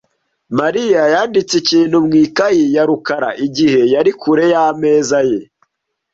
Mariya yanditse ikintu mu ikaye ya rukara igihe yari kure y'ameza ye .